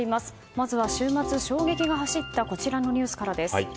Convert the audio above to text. まずは週末、衝撃が走ったこちらのニュースからです。